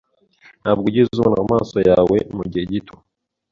Ntabwo wigeze ubona mumaso yawe mugihe gito